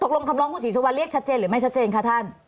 คำร้องคุณศรีสุวรรณเรียกชัดเจนหรือไม่ชัดเจนคะท่าน